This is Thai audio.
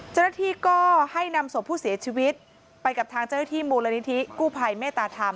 เจ้าหน้าที่ก็ให้นำศพผู้เสียชีวิตไปกับทางเจ้าหน้าที่มูลนิธิกู้ภัยเมตตาธรรม